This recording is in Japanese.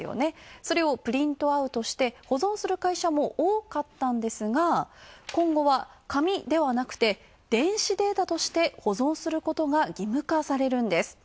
それをプリントアウトして保存する会社も多かったんですが、今後は紙ではなくて電子データとして保存することが義務化されるんです。